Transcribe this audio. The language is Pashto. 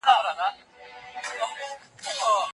سوداګر به خپله رايستل سوي پانګه بيرته په کار واچوي.